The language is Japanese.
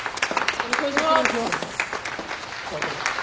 よろしくお願いします。